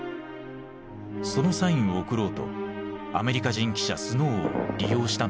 そのサインを送ろうとアメリカ人記者スノーを利用したのだった。